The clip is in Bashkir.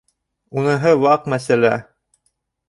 — Уныһы ваҡ мәсьәлә!